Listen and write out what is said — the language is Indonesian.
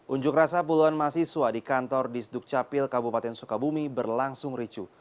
unjuk rasa puluhan mahasiswa di kantor disduk capil kabupaten sukabumi berlangsung ricu